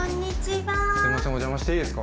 すいませんお邪魔していいですか？